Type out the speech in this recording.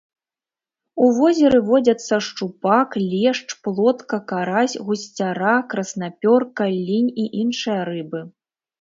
У возеры водзяцца шчупак, лешч, плотка, карась, гусцяра, краснапёрка, лінь і іншыя рыбы.